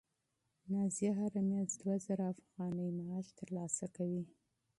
نازیه هره میاشت دوه زره افغانۍ معاش ترلاسه کوي.